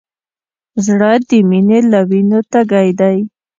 زړه د مینې له وینو تږی دی.